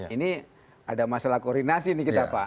ini ada masalah koordinasi nih kita pak